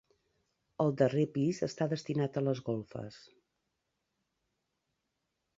El darrer pis està destinat a les golfes.